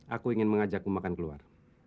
aku ingin mengajakku makan keluar